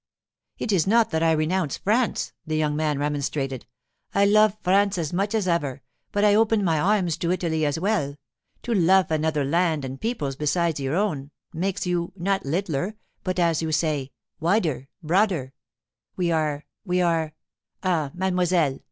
'It is not that I renounce France,' the young man remonstrated. 'I lofe France as much as ever, but I open my arms to Italy as well. To lofe another land and peoples besides your own makes you, not littler, but, as you say, wider—broader. We are—we are—— Ah, mademoiselle!